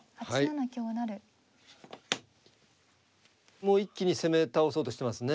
もう一気に攻め倒そうとしてますね。